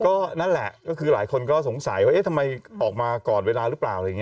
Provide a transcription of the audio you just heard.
ก็นั่นแหละคือหลายคนก็สงสัยว่าทำไมออกมาก่อนเวลาหรือเปล่า